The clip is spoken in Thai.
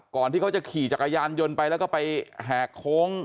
ที่เขาจะขี่จักรยานยนต์ไปแล้วก็ไปแหกโค้ง